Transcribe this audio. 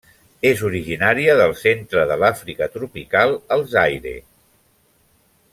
És originària del centre de l'Àfrica tropical al Zaire.